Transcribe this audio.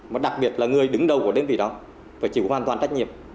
mà đặc biệt là người đứng đầu của đơn vị đó phải chịu hoàn toàn trách nhiệm